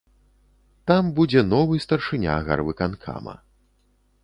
Там будзе новы старшыня гарвыканкама.